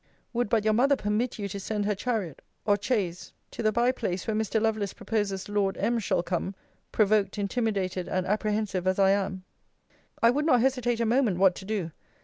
Would but your mother permit you to send her chariot, or chaise, to the bye place where Mr. Lovelace proposes Lord M.'s shall come, (provoked, intimidated, and apprehensive, as I am,) I would not hesitate a moment what to do.